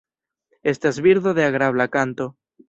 Estas birdo de agrabla kanto.